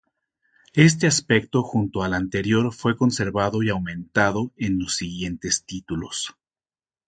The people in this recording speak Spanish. Este aspecto, junto al anterior fue conservado y aumentado en los siguientes títulos.